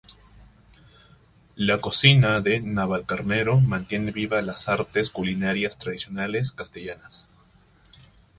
La cocina de Navalcarnero mantiene viva las artes culinarias tradicionales castellanas.